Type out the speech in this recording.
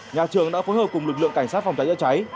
nhà trường đã phối hợp cùng lực lượng cảnh sát phòng cháy chữa cháy